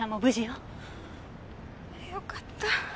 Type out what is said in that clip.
よかった。